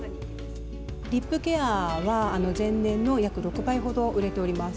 リップケアは、前年の約６倍ほど売れております。